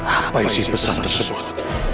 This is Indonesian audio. apa sih pesan tersebut